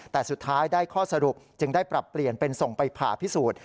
แต่สุดท้ายได้ข้อสรุปจึงได้ปรับเปลี่ยนเป็นส่งไปผ่าพิสูจน์